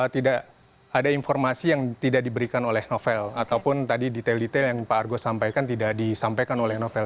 tidak ada informasi yang tidak diberikan oleh novel ataupun tadi detail detail yang pak argo sampaikan tidak disampaikan oleh novel